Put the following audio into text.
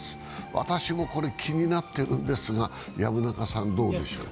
私もこれ、気になってるんですが薮中さんどうお思いですか。